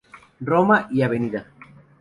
Roma y Av.